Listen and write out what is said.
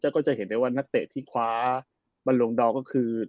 ก็จะเห็นได้ว่านักเตะที่คว้าบรรลงดอก็คือ